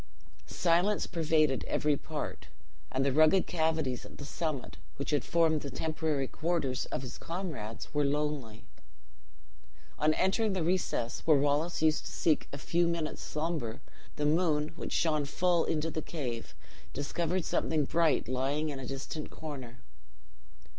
Silence pervaded every part; and the rugged cavities at the summit, which had formed the temporary quarters of his comrades, were lonely. On entering the recess where Wallace used to seek a few minutes' slumber, the moon, which shone full into the cave, discovered something bright lying in a distant corner.